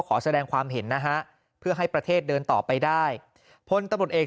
ขอแสดงความเห็นนะฮะเพื่อให้ประเทศเดินต่อไปได้พลตำรวจเอก